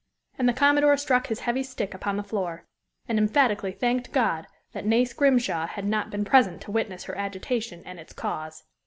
And the commodore struck his heavy stick upon the floor, and emphatically thanked God that Nace Grimshaw had not been present to witness her agitation and its cause.